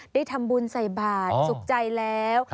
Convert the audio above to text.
ได้ทำบุญใส่บาทสุขใจแล้ว